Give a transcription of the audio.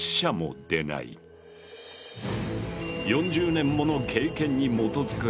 ４０年もの経験にもとづく